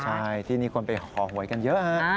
ใช่ที่นี่คนไหว้ต่อของใหญ่กันเยอะ